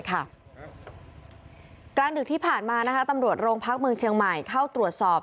กลางดึกที่ผ่านมาตำรวจโรงพักเมืองเชียงใหม่เข้าตรวจสอบ